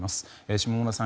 下村さん